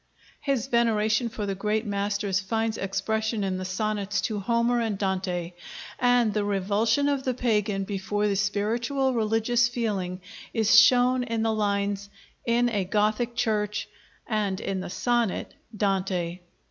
His veneration for the great masters finds expression in the sonnets to Homer and Dante, and the revulsion of the pagan before the spiritual religious feeling is shown in the lines 'In a Gothic Church' and in the sonnet 'Dante.'